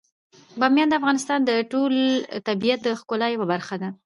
بامیان د افغانستان د ټول طبیعت د ښکلا یوه برخه ده.